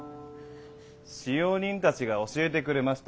使用人たちが教えてくれました。